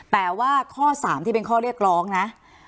แต่ว่าข้อ๓ที่เป็นข้อเรียกร้องนะ